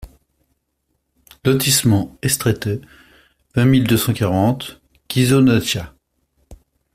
Lotissement e Strette, vingt mille deux cent quarante Ghisonaccia